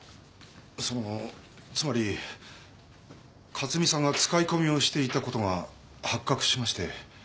そのつまり克巳さんが使い込みをしていたことが発覚しまして。